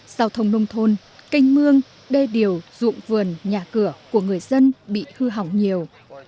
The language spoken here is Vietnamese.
giao thông nông thôn canh mương đê điều ruộng vườn nhà cửa của người dân bị hư hỏng nhiều